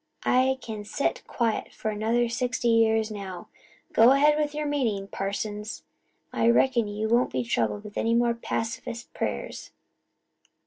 I can sit quiet for another sixty years now! Go ahead with your meeting, parsons. I reckon you won't be troubled with any more pacifist prayers."